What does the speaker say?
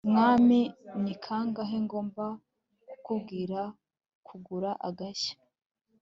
mwami, ni kangahe ngomba kukubwira kugura agashya